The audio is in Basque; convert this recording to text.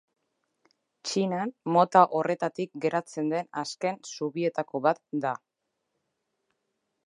Txinan mota horretatik geratzen den azken zubietako bat da.